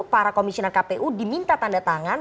para komisioner kpu diminta tanda tangan